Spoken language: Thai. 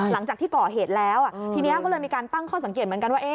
หลังจากที่ก่อเหตุแล้วทีนี้ก็เลยมีการตั้งข้อสังเกตเหมือนกันว่า